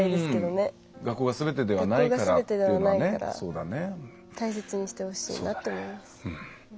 学校がすべてではないから大切にしてほしいなと思います。